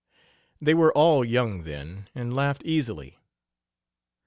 They were all young then, and laughed easily.